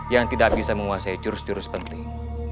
yang tidak bisa menguasai jurus jurus penting